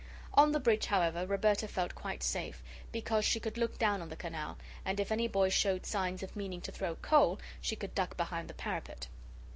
On the bridge, however, Roberta felt quite safe, because she could look down on the canal, and if any boy showed signs of meaning to throw coal, she could duck behind the parapet.